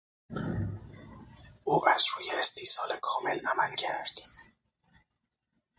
او از روی استیصال کامل عمل کرد.